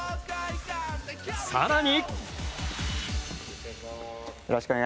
更に。